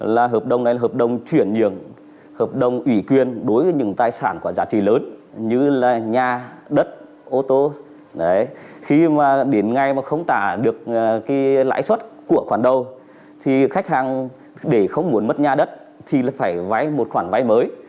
lãi suất của khoản đầu thì khách hàng để không muốn mất nhà đất thì phải vay một khoản vay mới